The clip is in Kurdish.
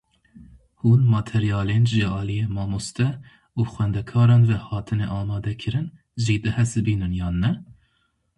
Hûn materyalên ji aliyê mamoste û xwendekaran ve hatine amadekirin jî dihesibînin yan ne?